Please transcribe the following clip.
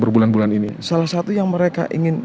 berbulan bulan ini salah satu yang mereka ingin